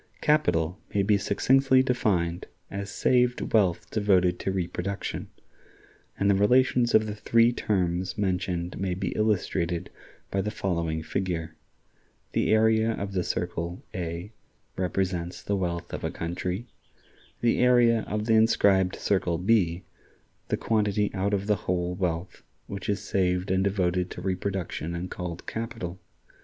Capital may be succinctly defined as saved wealth devoted to reproduction, and the relations of the three terms mentioned may be illustrated by the following figure: The area of the circle, A, represents the wealth of a country; the area of the inscribed circle, B, the quantity out of the whole wealth which is saved and devoted to reproduction and called capital.